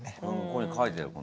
ここに書いてある。